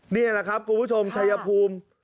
นี้แหละครับคุณผู้ชม